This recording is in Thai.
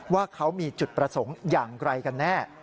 ว่าเขามีจุดประสงค์อย่างไรกันแน่